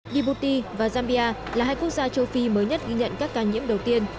dibouti và zambia là hai quốc gia châu phi mới nhất ghi nhận các ca nhiễm đầu tiên